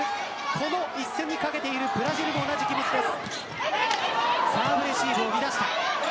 この一戦に懸けているブラジルも同じ気持ちです。